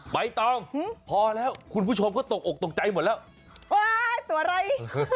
ใบตองพอแล้วคุณผู้ชมก็ตกอกตกใจหมดแล้วโอ๊ยตัวอะไร